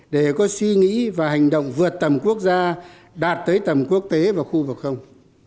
để có suy nghĩ và hành động vượt tầm quốc gia đạt tới tầm quốc tế và khu vực không